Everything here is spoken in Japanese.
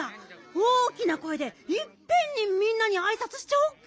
大きなこえでいっぺんにみんなにあいさつしちゃおっか。